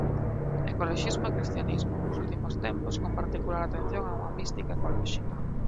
Ecoloxismo e cristianismo; nos últimos tempos con particular atención a unha mística ecolóxica.